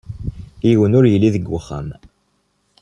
Yiwen ur yelli deg wexxam.